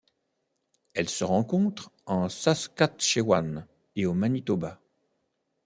Elle se rencontre en Saskatchewan et au Manitoba.